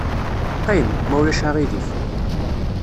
Qqim, ma ulac aɣilif.